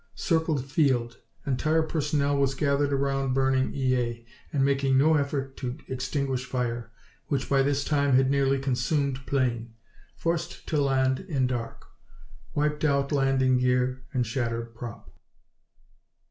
Circled field. Entire personnel was gathered around burning E.A. and making no effort to extinguish fire, which by this time had nearly consumed plane. Forced to land in dark. Wiped out landing gear and shattered prop.